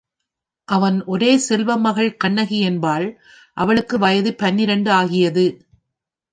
அவன் ஒரே செல்வமகள் கண்ணகி என்பாள் அவளுக்கு வயது பன்னிரண்டு ஆகியது.